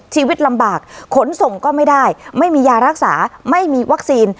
ชีวิตลำบากขนส่งก็ไม่ได้ไม่มียารักษาไม่มีวัคซีน